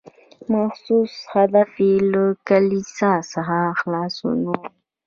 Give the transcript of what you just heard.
محسوس هدف یې له کلیسا څخه خلاصون و.